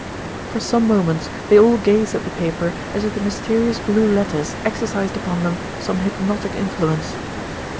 For some moments they all gazed at the paper as if the mysterious blue letters exercised upon them some hypnotic influence.